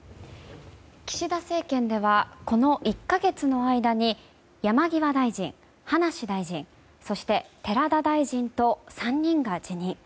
岸田政権では、この１か月の間に山際大臣、葉梨大臣そして寺田大臣と３人が辞任。